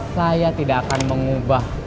saya tidak akan mengubah